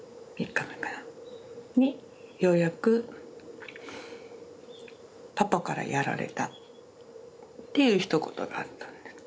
３日目かなにようやく「パパからやられた」っていうひと言があったんです。